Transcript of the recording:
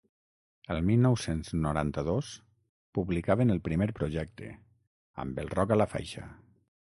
El mil nou-cents noranta-dos publicaven el primer projecte, Amb el rock a la faixa.